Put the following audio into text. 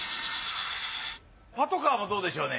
パトカーもどうでしょうね。